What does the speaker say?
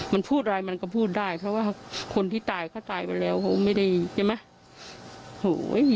มันพูดอะไรมันก็พูดได้เพราะว่าคนที่ตายเขาตายไปแล้วเขาไม่ได้ใช่ไหม